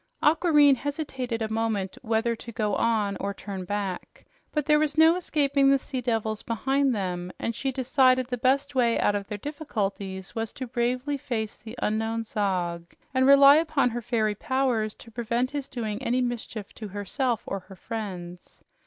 Aquareine hesitated a moment whether to go on or turn back, but there was no escaping the sea devils behind them, and she decided the best way out of their difficulties was to bravely face the unknown Zog and rely upon her fairy powers to prevent his doing any mischief to herself or her friends.